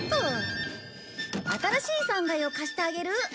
新しい３階を貸してあげる。